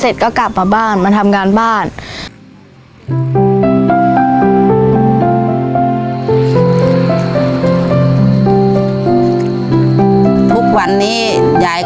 ทุกวันนี้